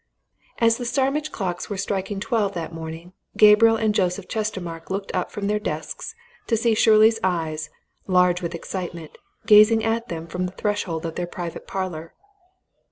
As the Scarnham clocks were striking twelve that morning, Gabriel and Joseph Chestermarke looked up from their desks to see Shirley's eyes, large with excitement, gazing at them from the threshold of their private parlour.